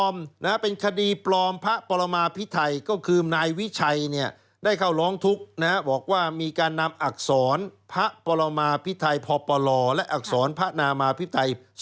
เฉาก๊วยชนิดหวานในตัวตราตลาดไทย